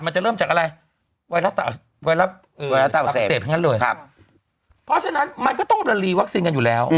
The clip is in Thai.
มันจะเริ่มจากอะไรไวรัสตับอักเสบเพราะฉะนั้นมันก็ต้องบรรลีวัคซีนกันอยู่แล้ว